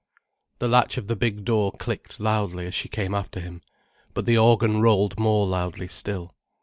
The latch of the big door clicked loudly as she came after him, but the organ rolled more loudly still.